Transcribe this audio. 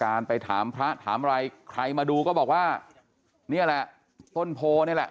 ไปถามพระถามอะไรใครมาดูก็บอกว่านี่แหละต้นโพนี่แหละ